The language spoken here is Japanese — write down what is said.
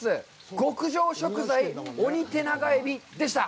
極上食材オニテナガエビ」でした。